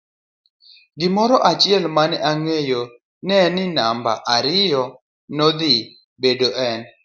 Gimoro achiel mane ong'eyo neen ni namba ariyo nedhi bedo en.